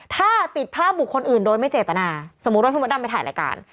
ถ้าติดภาพบุคคลอื่นโดยไม่เจตนาสมมุติว่าคุณมดดำไปถ่ายรายการ